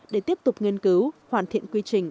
để tiếp tục nghiên cứu hoàn thiện quy trình